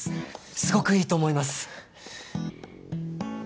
すごくいいと思います